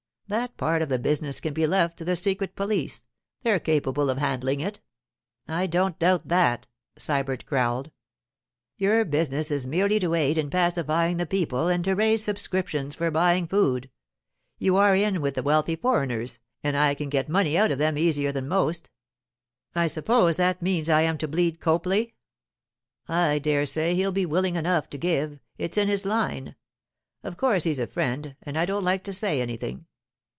'That part of the business can be left to the secret police; they're capable of handling it.' 'I don't doubt that,' Sybert growled. 'Your business is merely to aid in pacifying the people and to raise subscriptions for buying food. You are in with the wealthy foreigners, and can get money out of them easier than most.' 'I suppose that means I am to bleed Copley?' 'I dare say he'll be willing enough to give; it's in his line. Of course he's a friend, and I don't like to say anything.